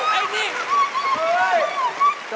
ไอ้นี่